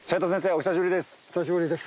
お久しぶりです。